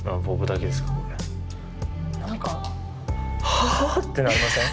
「はあ」ってなりません？